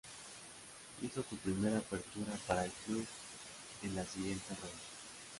Hizo su primera apertura para el club en la siguiente ronda.